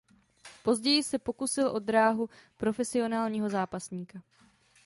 Později se pokusil o dráhu profesionálního zápasníka.